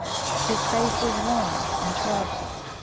His face was wan and troubled.